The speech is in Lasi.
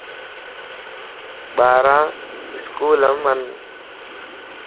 ٻارا اسڪول ام ان